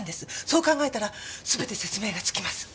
そう考えたら全て説明がつきます。